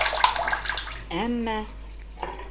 Әммә...